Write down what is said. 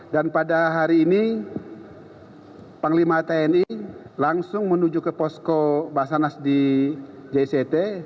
dan pada hari ini penglima tni langsung menuju ke posko basarnas di jct